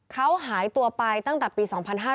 เขาหายตัวไปตั้งแต่ปี๒๕๕๙